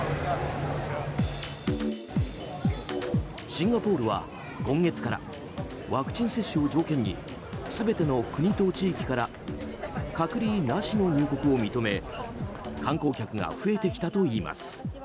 シンガポールは今月からワクチン接種を条件に全ての国と地域から隔離なしの入国を認め観光客が増えてきたといいます。